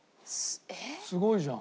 すごいじゃん。